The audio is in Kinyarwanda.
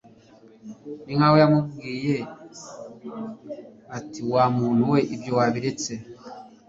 ni nk'aho yamubwiye, ati «wa muntu we ibyo bintu wabiratse